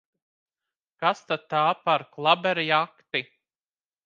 Kas tad tā par klaberjakti!